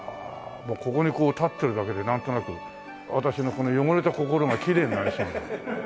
もうここに立ってるだけでなんとなく私のこの汚れた心がきれいになりそうな。